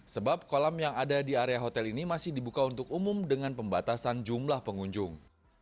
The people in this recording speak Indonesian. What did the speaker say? sebab kolam yang ada di area hotel ini masih dibuka untuk umum dengan pembatasan jumlah pengunjung